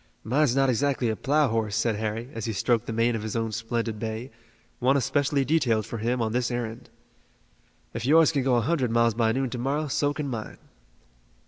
"Mine's not exactly a plough horse," said Harry, as he stroked the mane of his own splendid bay, one especially detailed for him on this errand. "If yours can go a hundred miles by noon to morrow so can mine."